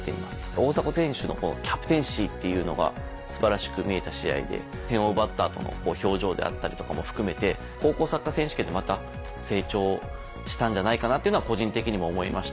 大迫選手のキャプテンシーっていうのが素晴らしく見えた試合で点を奪った後の表情であったりとかも含めて高校サッカー選手権でまた成長したんじゃないかなっていうのは個人的にも思いましたし。